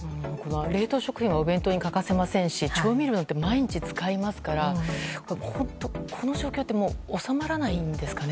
冷凍食品はお弁当に欠かせませんし調味料なんて毎日使いますから本当にこの状況は収まらないんですかね？